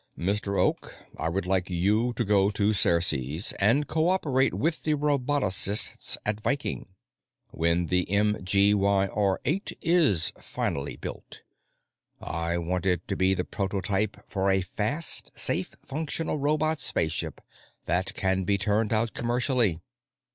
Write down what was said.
"Mr. Oak, I would like you to go to Ceres and co operate with the robotocists at Viking. When the MGYR 8 is finally built, I want it to be the prototype for a fast, safe, functional robot spaceship that can be turned out commercially.